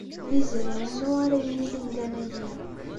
D izri-inu ara iyi-yilin d anagi.